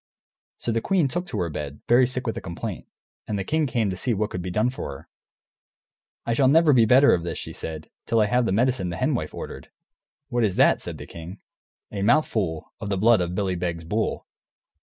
So the queen took to her bed, very sick with a complaint, and the king came to see what could be done for her. "I shall never be better of this," she said, "till I have the medicine the Hen Wife ordered." "What is that?" said the king. "A mouthful of the blood of Billy Beg's bull."